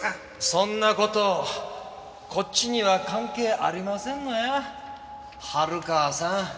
そんな事こっちには関係ありませんのや春川さん。